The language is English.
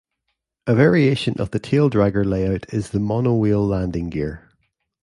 A variation of the taildragger layout is the monowheel landing gear.